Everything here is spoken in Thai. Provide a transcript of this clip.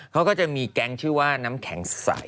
เขาก็จะมีแก๊งชื่อว่าน้ำแข็งใส